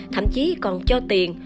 thậm chí còn cho tiền